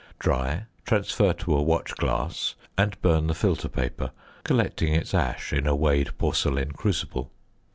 Dry, transfer to a watch glass, and burn the filter paper, collecting its ash in a weighed porcelain crucible.